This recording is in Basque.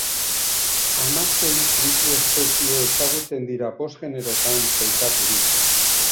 Hamasei triku espezie ezagutzen dira, bost generotan sailkaturik.